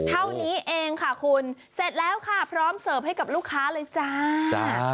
เท่านี้เองค่ะคุณเสร็จแล้วค่ะพร้อมเสิร์ฟให้กับลูกค้าเลยจ้า